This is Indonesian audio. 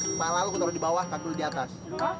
kepala lu gue taruh di bawah kaki lu di atas